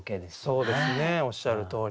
そうですねおっしゃるとおり。